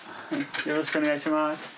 よろしくお願いします。